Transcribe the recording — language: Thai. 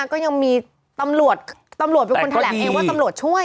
ก็ยังมีตัมรวจเป็นคนแถลกเองว่าตัมรวจช่วย